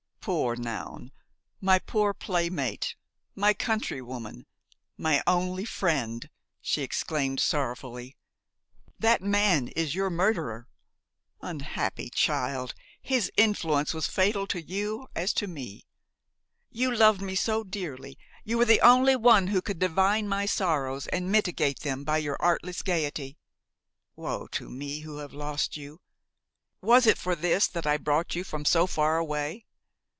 "Poor Noun! my poor playmate! my countrywoman, my only friend!" she exclaimed sorrowfully; "that man is your murderer. Unhappy child! his influence was fatal to you as to me! You loved me so dearly, you were the only one who could divine my sorrows and mitigate them by your artless gayety! Woe to me who have lost you! Was it for this that I brought you from so far away!